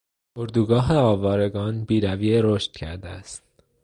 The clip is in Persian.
اردوگاه آوارگان بیرویه رشد کرده است.